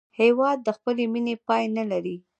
هېواد د خپلې مینې پای نه لري.